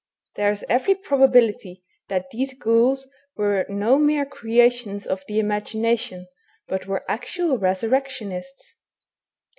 There is THE HUMAN HYJENA. 251 every probability that these ghouls were no mere crea tions of the imagination, but were actual resurrectionists.